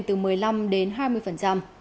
từ một mươi năm đến hai mươi